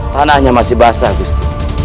tanahnya masih basah gusip